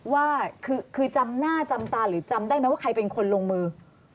ว่าคือจำหน้าจำตาหรือจำได้ไหมว่าใครเป็นคนลงมือ